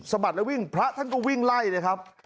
บัดแล้ววิ่งพระท่านก็วิ่งไล่เลยครับ